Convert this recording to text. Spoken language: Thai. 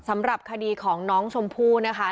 สำหรับคดีของน้องชมพู่นะคะ